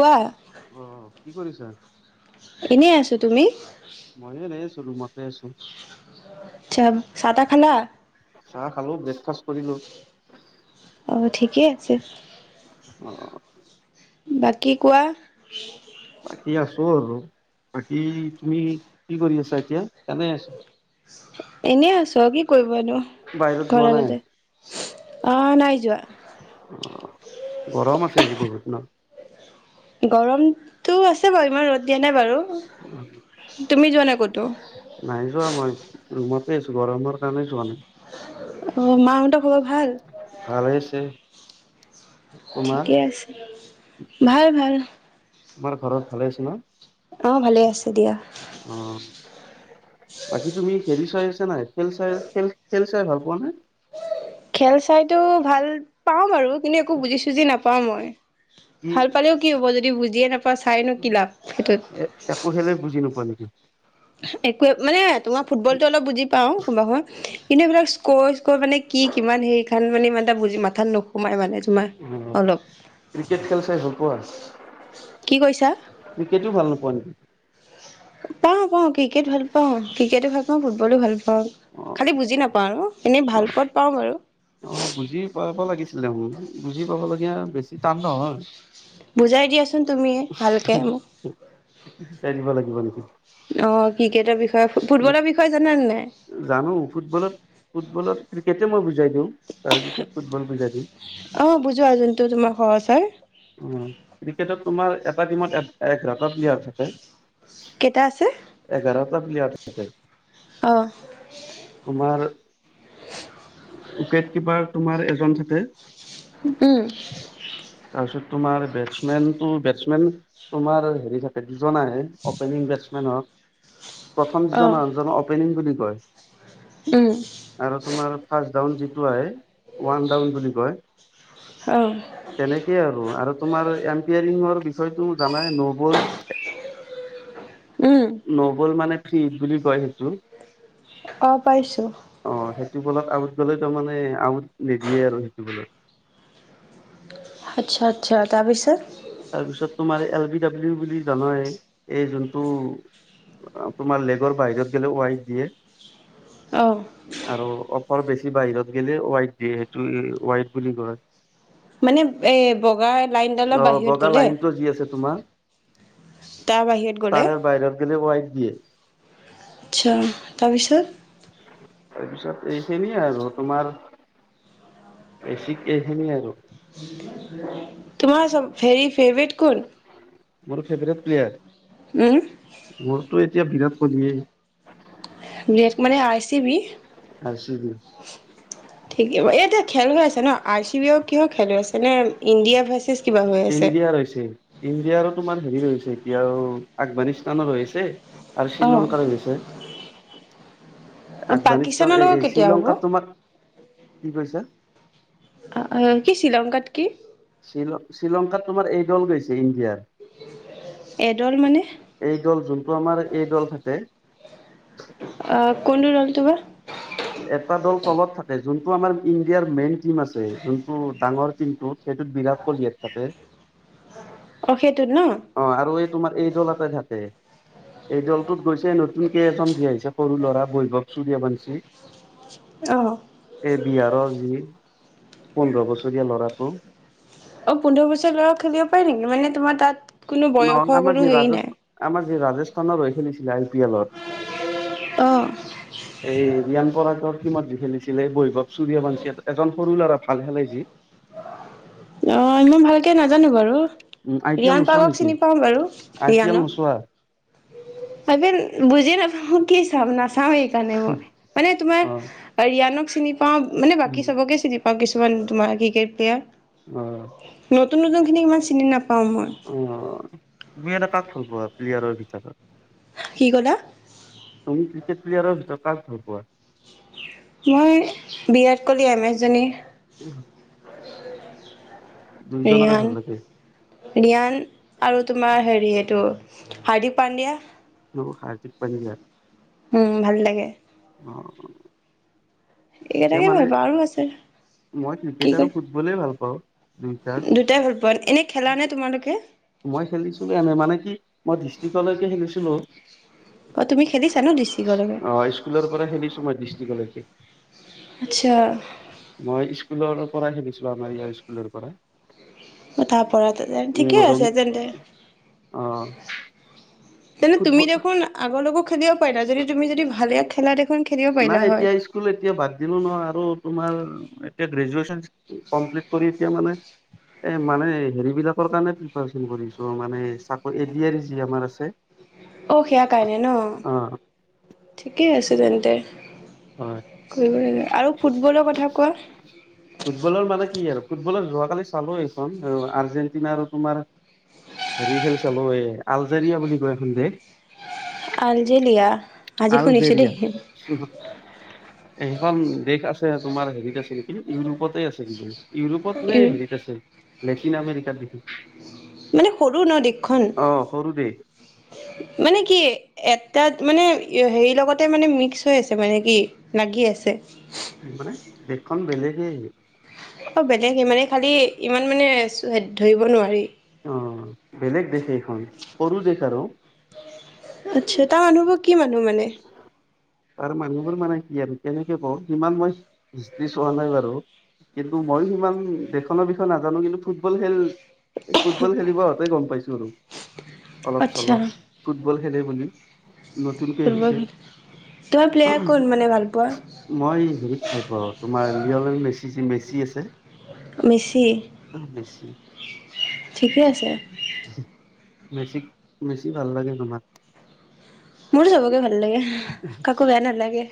কোৱা। অ কি কৰিছা? এনেই আছোঁ। তুমি? মইয়ো এনেই আছোঁ। ৰুমতে আছোঁ। আটচা। চাহ-তাহ খালা? চাহ খালো, ব্ৰেকফাষ্ট কৰিলো অ, ঠিকেই আছে। অ। বাকী কোৱা। বাকী আছো আৰু বাকী তুমি কি কৰি আছা এতিয়া? কেনে আছা? এনেই আছোঁ। তই কি কৰিবিনো বাহিৰত যোৱা নাই ঘৰডালতে। অ নাই যোৱা অ গৰম আছে আজি বহুত ন গৰমতটো আছে বাৰু ইমান ৰ'দ দিয়া নাই বাৰু উম তুমি যোৱা নাই ক'তো নাই যোৱা মই ৰুমতে আছোঁ গৰমৰ কাৰণে যোৱা নাই অ মাহতৰ খবৰ ভাল ভালে আছে তোমাৰ ঠিকেই আছে ভাল ভাল তোমাৰ ঘৰত ভালে আছে ন অ ভালে আছে দিয়া অ বাকী তুমি খেল চাই আছা নাই খেল চাই খেল খেল চাই ভাল পোৱা নে খেল চাইতো ভাল পাওঁ বাৰু কিন্তু একো বুজি চুজি নাপাওঁ মই কি ভাল পালেও কি হ'ব যদি বুজিয়ে নাপাওঁ চাইনো কি লাভ সেইটোত এ একো খেলে [unintelligible] একোৱে মানে তোমাৰ ফুটবলটো অলপ বুজি পাওঁ কোনোবা কিন্তু সেইবিলাক কৈ কৈ মানে কি কিমান সেই খান মানে মান এটা বুজি মাথাত নোসোমাই মানে তোমাৰ অলপ ক্ৰিকেট খেল চাই ভাল পোৱা আৰু কি কৈছা ক্ৰিকেটোও ভাল নোপোৱা নেকি পাওঁ পাওঁ ক্ৰিকেট ভাল পাওঁ ক্ৰিকেটো ভাল পাওঁ ফুটবলো ভাল পাওঁ অ খালি বুজি নাপাওঁ ন এনেই ভাল পথ পাওঁ বাৰু অ বুজি পাব লাগিছিলে বুজি পাবলগীয়া বেছি টান নহয় বুজাই দিয়াছোন চোন তুমিয়েই ভালকে মোক চাই দিব লাগিব নেকি অ ক্ৰিকেটৰ বিষয়ে হয় ফুটবলৰ বিষয়ে জানে নাই জানো ফুটবলত ফুটবলত ক্ৰিকেটে মই বুজিছ জ তাৰপিছত ফুটবল বুজাই দিওঁ অ বুজোৱা যোনটো তোমাৰ সহজ হয় তোমাৰ এটা টিমত এঘাৰটা প্লেয়াৰ থাকে কেইটা আছে এঘাৰ টকা প্লিয়াৰ থাকে অ তোমাৰ উইকেট কিপাৰ তোমাৰ এজন থাকে উম তাৰছত তোমাৰ বেছ মেন তোমাৰ হেৰি থাকে জনাই অ'পেনিং বেটছমেনক প্ৰথম অ যিজন আনজন অপেনিং বুলি হয় উম [inaudible] আৰু তোমাৰ ফাচ ডাউন যিটো আহে, ওৱান ডাউন বুলি কয়। অ তেনেকেইে আৰু, আৰু তোমাৰ এম্পিয়াৰিংৰ বিষয়টো জানাই নবৈ, উম নগল মানে ঈদ বুলি কয় সেইটো অ পাইছোঁ সবলত আউট গলে তো মানে আউট নিদিয়ে আৰু সেইটোবলত আচ্ছা আচ্ছা তাৰপিছত, তাৰপিছত তোমাৰ এল বি ডাব্লিউ বুলি জানাই এই যোনটো তোমাৰ লেগৰ বাহিৰত গেলে ৱাইট দিয়ে অ', আৰু অফৰ বেছি বাহিৰত গেলে ৱাইট দিয়ে সেইটো ৱাইড বুলি কয়। মানে এ বগা লাইনডালৰ অ বাহিৰত বগা গ'লে লাইন টো যি আছে তোমাৰ, তাৰ বাহিৰত গ'লে তাৰে বাহিৰত গ'লে হোৱাইট দিয়ে আচ্ছা। তাৰপিছত, তাৰপিছত এই খিনিয়ে আৰু। তোমাৰ এইখিনিয়ে আৰু তোমাৰ চব ফেৰি ফেভেট কোন? মোৰ ফেভৰেট প্লেয়াৰ। উম, মোৰটো তি বিৰাট কহলি মানে R C B R C B ঠিকে বা এতিয়া খেল হৈ আছে ন আৰ চি বি অফ কিয় খেল হৈ আছে নে ইণ্ডিয়া ভাৰ্চছ? ইণ্ডিয়াৰ হৈছে। ইণ্ডিয়াৰো তোমাৰ হেৰি হৈছে এতিয়াও আফগানিস্তানৰ হৈছে। আৰু অ', শ্ৰীলংকাৰো হৈছে। আফগানিস্তান পাকিস্তানৰ লগত এই কেতিয়া হ'ব? শ্ৰীলংকাত তোমাক কি কৈছা কি শ্ৰীলংকাত কি শ্ৰী শ্ৰীলংকাত তোমাৰ এই দল গৈছে এডল মানে দিয়াৰ এই দল যোনটো আমাৰ এই দল থাকে অ', কোনটো দলটো বা এটা দল তলত থাকে যোনটো আমাৰ ইণ্ডিয়াৰ মেইন টীম আছে যোনটো ডাঙৰ টীমটোত সেইটোত বিৰাট কোহলিয়ে থাকে। অশেক অ আৰু এই তোমাৰ এই দলতে থাকে। এই দলটোত গৈছে নতুনকে এজন যি আহিছে সৰু ল'ৰা বৈভৱ চুুৰয়া বংঞ্চী অ', এই বিহাৰৰ যি পোন্ধৰ বছৰীয়া ল'ৰাটো অ পোন্ধৰ বছৰ লৰা খেলিব পাৰে নেকি মানে তোমাৰ তাত কোনো বয়স হোৱা কোনো হেৰি নাই। আজি ৰাজস্থানত হৈ খেলিছিলে। পিয়লত অ এই। ৰিয়ান পৰাগৰ টীমত যি খেলিছিলে বৈভৱ চুুৰীয়া বঞ্চী এজন সৰু ল'ৰা ভাল খেলে যি। অ ইমান ভালকে নাজানো বাৰু। উম আই পি এল ৰিয়ান নোচোৱা পৰাগক নেকি চিনি পাও বাৰু আই পি এল ৰিয়ানক। নোচোৱা আই পি এল বুজি নাপাওঁ কি চাম না চাও সেইকাৰণে মই মানে তোমাৰ অ আ ৰিয়ানক চিনি পাও মানে উম, বাকী চবকে চিনি পাও কিছু [unintelligible] অ নতুন নতুন খিনি ইমান চিনি নাপাওঁ মই অ তুমি এটা কাক ভাল পোৱা প্লেয়াৰৰ ভিতৰত। কি কলা? তুমি ক্ৰিকেট প্লেয়াৰৰ ভিতৰত কাক ভাল পোৱা? মই বিৰাট কোহলি এম এছ ধনী। উম। ৰিয়ান ৰিয়ান আৰু তোমাৰ হেৰি এইটো। হাৰদিক পাণ্ডয়া। হাৰ্দিক পাণ্ডিয়া উম ভাল লাগে। অ তেওঁ এইকেটাকে ভাল মানে পাওঁ আৰু আছে। মই কি ক্ৰিকেট আৰু কয় ফুটবলে। অলপ। দুটাই ভাল পোৱান এনে খেলা নে তোমালোকে? মই খেলিছিলো এনে মানে কি। মই ডিষ্ট্ৰিকলৈকে খেলিছিলোঁ। অ তুমি খেলিছা ন ডিষ্ট্ৰিকলৈকে আহ স্কুলৰ পৰা খেলিছোঁ মই ডৃষ্ট্ৰিকলৈকে। আচ্ছা মই স্কুলৰ। কৰাই সে দিছো। মাৰি স্কুলৰ পৰা। তাৰাপ যেন উম ঠিকে আছে ৰঙি তেন্তে। অ তেনে তুমি ফুটবল দেখোন। আগোকো খেলিব পাৰে না যদি তুমি যদি ভালে খেলা দেখা। নাই এতিয়া স্কুল এতিয়া বাদ দিলো ন আৰু তমাৰ এতি। এ মানে হোক মানে এ যি আমাৰ আছে। অ সেয়া কাৰণে ন অ ঠিকেই আছে তেন্তে। হয় কৰিব লাগে আৰু ফুটবলৰ কথা কোৱা। ফুটবলত যোৱাকালি চালো এইখন আৰ্জেণ্টিনা আৰু তোমাৰ হেৰি খেল চালো এই আলজেৰিয়া বুলি কয় এখন দেশ। আলজেলিয়া আজি শুনিছোঁ দেই। সেইখন দেশ আছে তোমাৰ হেৰিতে আছে কিন্তু ইউৰোপতে আছে কিজানি। ইউৰোপত যে হেৰিত আছে লেটিন আমেৰিকাত বিহু মানে সৰু ন দেশখন সৰু দেশ মানে কি এ। তাত মানে হেৰি লগতে মানে মিক্স হৈ আছে মানে কি লাগি আছে। মানে দেশখন বেলেগে আহ। অ বেলেগে মানে খালি ইমান মানে ধৰিব নোৱাৰি। অ বেলেগ দেশ এইখন সৰু দেশ আৰু। আচ্ছা তাৰ মানুহবোৰ কি মানুহ মানে। তাৰ মানুহবোৰ মানে কি আৰু কেনেকে কওঁ সিমান মই হিষ্ট্ৰী চোৱা নাই বাৰু কিন্তু মইো সিমান দখনৰ বিষয় নাজানো কিন্তু ফুটবল খেল ফুটবল খেলিব অহাতে গম পাইছো আৰু অলপ আচ্ছা চলপ ফুটবল খেলেই বুলি নতুনকৈ ফুটবল আহিছে খেল তোমাৰ প্লেয়াৰ কোন মানে ভাল পোৱা মই হেৰিত ভাল পাওঁ তোমাৰ লল মেচি বেছি আছে মিচি মেচি ঠিকে আছে বেছি বেছি ভাল লাগে তোমাক মোৰো চবকে ভাল লাগে কাকো বেয়া নালাগে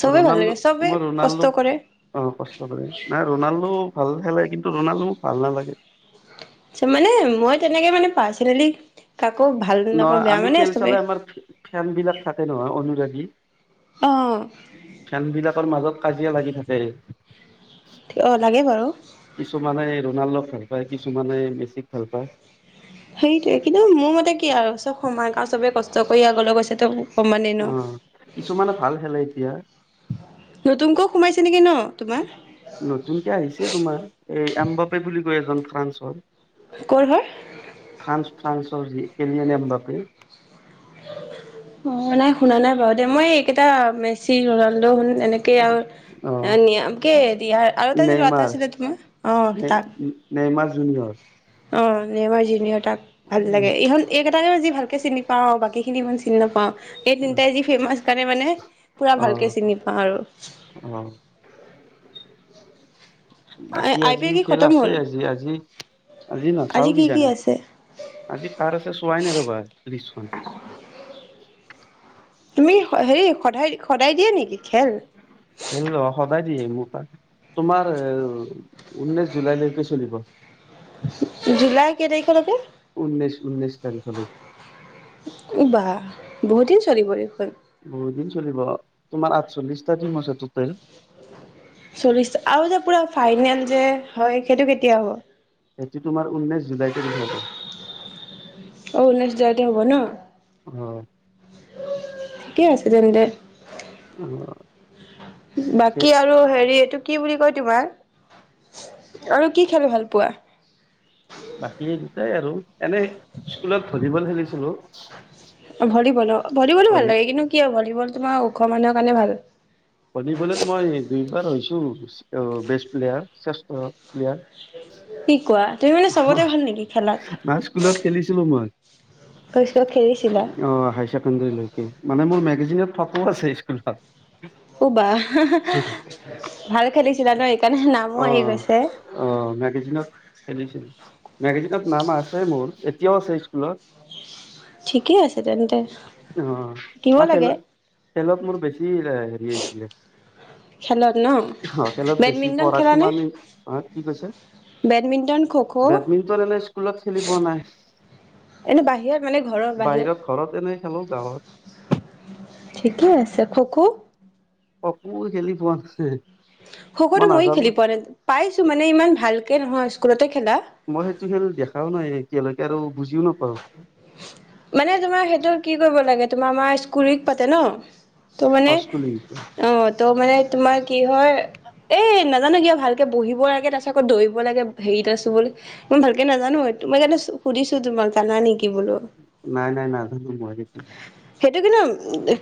চবেই ভাল ৰনাল্ডো লাগে সবে মই কষ্ট ৰনাল্ডোক কৰে অ কষ্ট কৰে নাই ৰনাল্ডো ভাল খেলে কিন্তু ৰনাল্ডোও ভাল নালাগে। মানে মই তেনেকে মানে পাৰ্চনেলি। কাকো ভাল নাপাওঁ নহয় বেয়া আমি মানে খেল চবে চালাই আমাৰ ফেন বিলাক থাকে নহয় অনুৰাগী অ কি ফেন বিলাকৰ মাজত কাজিয়া লাগি থাকে যে অ লাগে বাৰু কিছুমানে ৰনাল্ডোক ভাল পায় কিছুমানে মেচিক ভাল পায়। সেইটোৱে কিন্তু মোৰ মতে কি আৰু চব সময় ক চবে কষ্ট কৰি আগলৈ গৈছে তে অ কিছুমানে ভাল খেলে এতিয়া নতুনকৈ সোমাইছে নেকি ন তোমাৰ নতুনকে আহিছে তোমাৰ এ এম্বাপে বুলি কয় এজন ফ্ৰান্সৰ ক'ৰ হয়। ফ্ৰানস ফ্ৰান্স যি কেনোনে আম্বাাপি [unintelligible] অ নাই শুনা নাই বাৰু দে মই এইকেইটা মেচি ৰনাল্ডো শুন যেনেকে আৰু অ এটা যে ল'ৰাটা নেইমাৰ আছিলে তোমাৰ অ তাক। উ অ নেমাৰ জিনিয়ত তাক ভাল লাগে এই হল এইকেইটাকে বজি ভালকে চিনি পাওঁ বাকীখিনি ইমান চিনি নাপাওঁ এই তিনটাই যি ফেমাচ কাৰণে মানে পুৰা অ ভালকে চিনি পাওঁ আৰু অ বাকী আই পি আজি এল কি খেল খতম আছে হ'ল আজি আজি আজি নাচাও কি কি কিজানো আছে? আজি কাৰ আছে চোৱাই নাই ৰ'বা [unintelligible] তুমি হেৰি সদায় সদায় দিয়া নেকি খেল হে সদায় দিয়ে মোক ত তোমাৰ উনৈশ জুলাইলৈকে চলিব জুলাই কেই তাৰিখলৈকে। ঊনৈছ উঊনৈছ তাৰিখ লৈকে বা বহুত দিন চলিব এইখন বহুত দিন চলিব তোমাৰ আঠচল্লিশটা দিম আছে টটেল চল্লিশ আৰু যে পুৰা ফাইনেল যে হয় সেইটো কেতিয়া হ'ব এইটো তোমাৰ উঊনৈশ জুলাই তাৰিখে হ'ব অ ঊনৈশ জুলাইতে হ'ব ন? আহ ঠিকে আছে তেন্তে অঁ। বাকী আৰু হেৰি এইটো কি বুলি কয় তোমাৰ আৰু কি খালে ভাল পোৱা বাকী দুটাই আৰু এনেই স্কুলত ভলীবল খেলিছো হেল্ল'। ভলীবল অ ভলীবলো ভাল লাগে কিন্তু কিয় ভ ভলিবল তোমা ওখ মানুহৰ কাৰণে ভাল ভলিবলত মই দুইবাৰ হৈছোঁ টো বেষ্ট প্লেয়াৰ শ্ৰেষ্ঠ প্লেয়াৰ কি কোৱা তুমি মানে চবতে ভাল নেকি খেলাত সময়ত খেলিছিলা? অঁ হায় ছেকেণ্ডেৰীলৈকে মানে মোৰ এইজনত থকও আছে স্কুলখন উ বাহ হা হা ভাল খেলিছিলা ন সেইকাৰণে নামো অ আহি গৈছে অ মেগাজিনত মেগাজিনত নাম আছে মোৰ এতিয়াও আছে স্কুলত ঠিকেই আছে তেন্তে অঁ দিব ম লাগে খেলত মোৰ বেছি হেৰিছিলে খেলত ন অঁ খেলত বেছি বেডমিণ্টন পঢ়াত খেলানে সিমান অঁ কি কৈছে বেডমিণ্টন খ' খ' বেডমিণ্টন এনে স্কুলত খেলি পোৱা নাই এনে বাহিৰত মানে ঘৰৰ বাহিৰত ঘৰত এনে খেলো গাঁৱত ঠিকেই আছে খো খো খকো খেলি পোৱা নাই খকোটো মই খেলি পোৱা নাই। পাইছোঁ মানে ইমান ভাল কে নহয় স্কুলতে খেলা মই সেইটো খেল দেখাওঁ নাই এতিয়ালৈকে আৰু বুজিও নাপাওঁ মানে তোমাৰ সেইটো কি কৰিব লাগে তোমাৰ আমাৰ স্কুল উইক পাতে ন ত মানে পাঁচকলিংটো অঁ ত মানে তোমাৰ কি হয় এই নেজানো কিয়া ভালকে বহিব লাগে তাৰপাছত আকৌ দৌৰিব লাগে হেৰি এটা চুবলে মই ভালকে নেজানো এইটো মই জানে সুধিছো তোমাক জানা নেকি বোলো নাই নাই নাজানো মই সেইটো সেইটো কিন্তু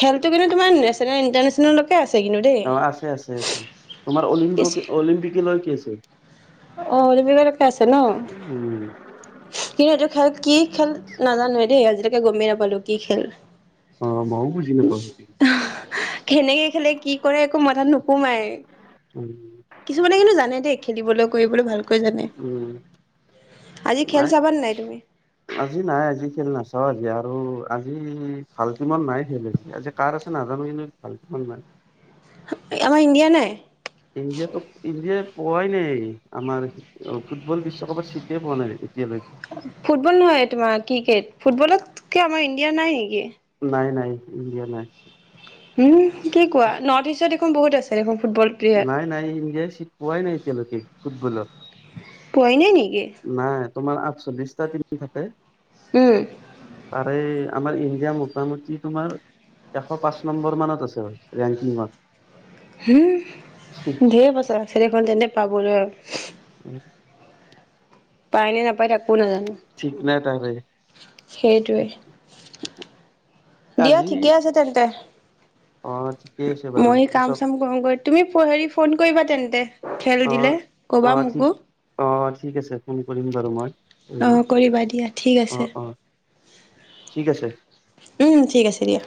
খেলটো কিন্তু তোমাৰ নেচনেল ইণ্টাৰনেচনেল লকে আছে কিন্তু দেই। অ আছে আছে আছে তোমাৰ অলিম্প উম [inaudible] কিন্তু এইটো খেল কি খেল নাজানোৱে দেই আজিলৈকে গমেই নাপালো কি খেল অ মইও বুজি নাপাওঁ সেইটো আহ কেনেকে খেলে কি কৰে একো মাঠাত নো নোসোমায়ে কিছুমানে কিন্তু জানে দেই খেলিবলৈ কৰিবলৈ ভালকৈ জানে উম আজি খেল নাই চাবা তুমি আজি নাই আজি খেল নাচাও আজি আৰু ত আজি ভাল কিমান নাই খেল আজি, আজি কাৰ আছে নাজানো কিন্তু ভাল কিমান নাই আমাৰ ইণ্ডিয়া নাই ইণ্ডিয়াটো ইণ্ডিয়ে পোৱাই নাই আমাৰ অ ফুটবল বিশ্বকাপৰ চিটে পোৱা নাই এতিয়ালৈকে ফুটবল নহয় তোমাৰ ক্ৰিকেট ফুটবলত আমাৰ ইণ্ডিয়া নাই নেকি নাই নাই ইণ্ডিয়া নাই। উম কি কোৱা নৰ্থ ইষ্টৰ মোৰ বহুত আছে দেখোন ফুটবল প্লেয়াৰ নাই নাই ইডিয় চীট পোৱাই নাইতিয়া লৈকে খুব ভুল পইনে নেকি তোমাৰ আঠচল্লিশটা টনি থাকে উম আৰে আমাৰ ইণ্ডিয়া মোটামুটি তোমাৰ এশ পাঁচ নম্বৰ মানত আছে ৰেংকিঙত হম ধেৰ বছা চেতিখন যেনে পাবলৈ আৰু [unintelligible] পাইনে নাপাই একো নাজানো ঠিক নাই তাৰে সেইটোৱে দিয়া আজি ঠিকে আছে তেন্তে অ ঠিকেই আছে বাৰু মই কাম পিছত চাম কৰোগৈ তুমি প হেৰি ফোন কৰিবা তেন্তে খেল অ দিলে কবা অ ঠিক মোকো। অ ঠিক আছে ফোন কৰিম বাৰু মই অঁ কৰিবা দিয়া ঠিক অ আছে অ ঠিক আছে উম ঠিক আছে দিয়া